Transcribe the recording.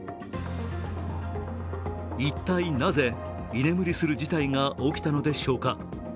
一体なぜ居眠りする事態が起きたのでしょうか。